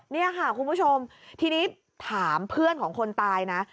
นี่ค่ะคุณผู้ชมทีนี้ถามเพื่อนของคนตายนะ